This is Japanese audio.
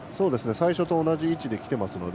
最初と同じ位置できていますので。